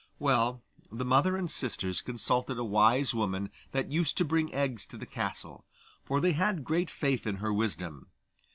Well, the mother and sisters consulted a wise woman that used to bring eggs to the castle, for they had great faith in her wisdom.